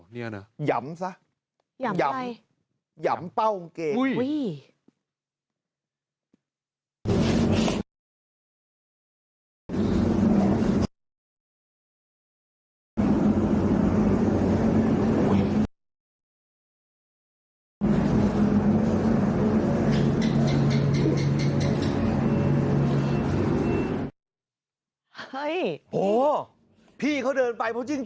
อ๋อเนี่ยนะหย่ำซะหย่ำอะไรหย่ำเป้าเก่งอุ้ย